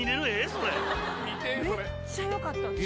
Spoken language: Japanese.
それめっちゃよかったんです